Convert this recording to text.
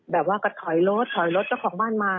แบบว่าก็ถอยรถถอยรถเจ้าของบ้านมา